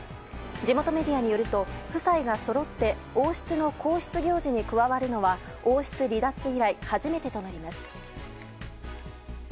地元メディアによると夫妻がそろって王室の公式行事に加わるのは王室離脱以来初めてとなります。